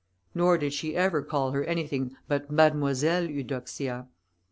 Nor did she ever call her anything but Mademoiselle Eudoxia.